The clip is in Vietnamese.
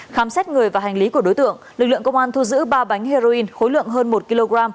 khám xét người và hành lý của đối tượng lực lượng công an thu giữ ba bánh heroin khối lượng hơn một kg